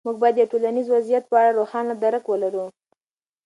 موږ باید د یو ټولنیز وضعیت په اړه روښانه درک ولرو.